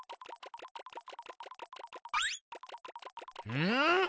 うん？